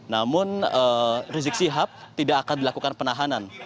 namun rizik sihab tidak akan dilakukan penahanan